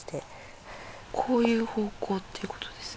こういう方向ってことですね？